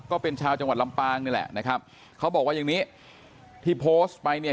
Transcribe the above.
ก็เป็นชาวจังหวัดลำปางนี่แหละนะครับเขาบอกว่าอย่างนี้ที่โพสต์ไปเนี่ย